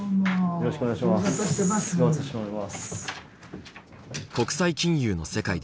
よろしくお願いします。